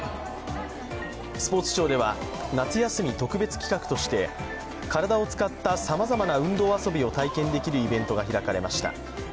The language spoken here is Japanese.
スポーツ庁では夏休み特別企画として体を使ったさまざまな運動遊びを体験できるイベントが開かれました。